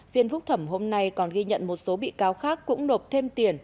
phiên phúc thẩm hôm nay còn ghi nhận một số bị cáo khác cũng nộp thêm tiền